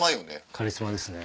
カリスマですね。